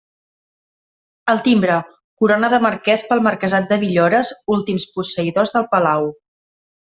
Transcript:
El timbre, corona de marqués pel marquesat de Villores, últims posseïdors del palau.